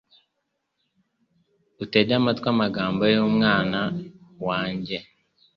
utege amatwi amagambo y’umunwa wanjye